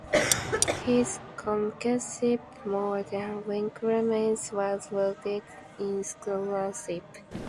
His connoisseurship, more than Winckelmann's, was rooted in scholarship.